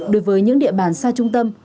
đối với những địa bàn xa trung tâm